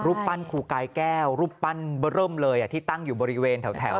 ปั้นครูกายแก้วรูปปั้นเบอร์เริ่มเลยที่ตั้งอยู่บริเวณแถว